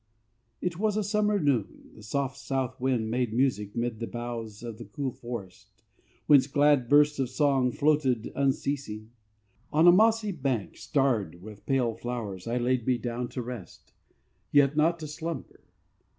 _"It was a summer noon. The soft, south wind made music 'mid the boughs Of the cool forest, whence glad bursts, of song Floated unceasing. On a mossy bank Starred with pale flowers, I laid me down to rest, Yet not to slumber.